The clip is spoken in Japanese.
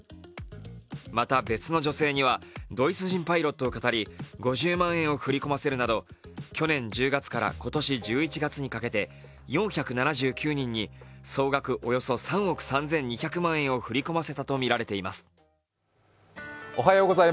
また別の女性にはドイツ人パイロットをかたり５０万円を振り込ませるなど去年１０月から今年１１月にかけて４７９人に総額およそ３億３２００万円を振り込ませたとみられています。